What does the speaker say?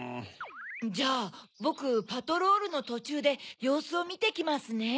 じゃあぼくパトロールのとちゅうでようすをみてきますね。